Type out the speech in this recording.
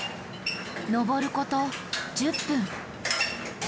上ること１０分。